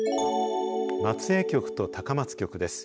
松江局と高松局です。